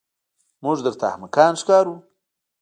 موږ درته احمقان ښکارو.